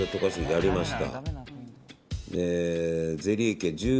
やりました。